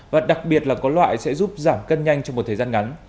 và đặc biệt là có loại sẽ giúp giảm cân nhanh trong một thời gian ngắn